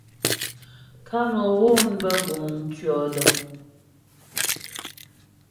Kamerun bə guŋ mtʉɔ̌dəŋ.